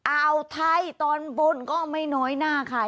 อ่าวไทยตอนบนก็ไม่น้อยหน้าค่ะ